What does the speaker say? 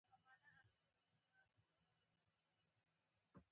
د زحمت مړۍ د سادهګي مزاج پيدا کوي.